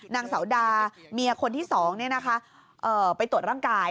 นางสาวดาเมียคนที่๒ไปตรวจร่างกาย